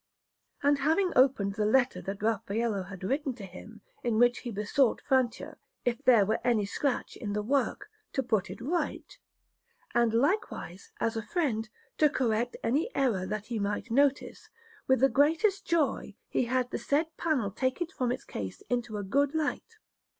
And having opened the letter that Raffaello had written to him, in which he besought Francia, if there were any scratch in the work, to put it right, and likewise, as a friend, to correct any error that he might notice, with the greatest joy he had the said panel taken from its case into a good light.